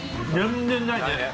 全然ないね。